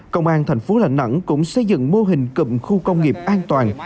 công an thành phố lạng nẵng cũng xây dựng mô hình cầm khu công nghiệp an toàn